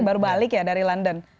baru balik ya dari london